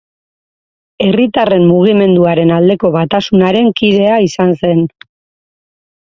Herritarren Mugimenduaren Aldeko Batasunaren kidea izan zen.